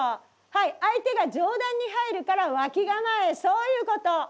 はい相手が上段に入るから脇構えそういうこと。